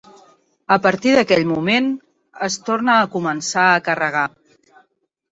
A partir d'aquell moment es torna a començar a carregar.